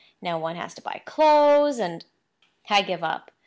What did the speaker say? Now, one has to buy clothes, and— I give it up.